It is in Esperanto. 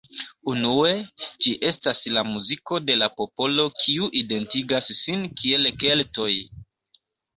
Unue, ĝi estas la muziko de la popolo kiu identigas sin kiel Keltoj.